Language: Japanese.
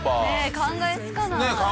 ねえ考えつかない。